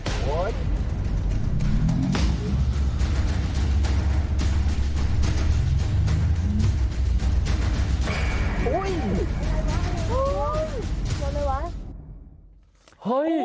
อุ้ยไปไหววะ